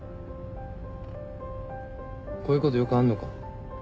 こういうことよくあんのか？